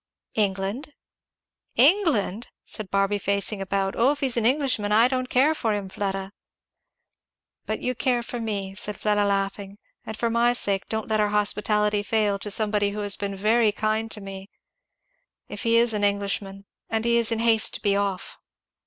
"England." "England!" said Barby facing about. "Oh if he's an Englishman I don't care for him, Fleda." "But you care for me," said Fleda laughing; "and for my sake don't let our hospitality fail to somebody who has been very kind to me, if he is an Englishman; and he is in haste to be off."